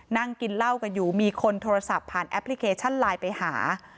นั่งกินเหล้ากันอยู่มีคนโทรศัพท์ผ่านแอปพลิเคชันไลน์ไปหา